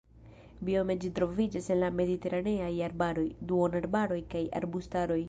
Biome ĝi troviĝas en la mediteraneaj arbaroj, duonarbaroj kaj arbustaroj.